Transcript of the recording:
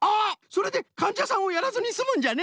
それでかんじゃさんをやらずにすむんじゃね。